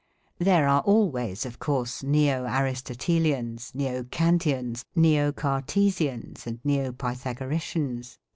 There are always, of course, Neo Aristotelians, Neo Kantians, Neo Cartesians, and Neo Pythagoricians.